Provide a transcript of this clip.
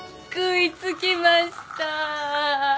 食い付きました。